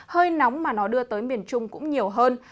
hơi nóng mà nó đưa tới miền trung cũng nhiều hơn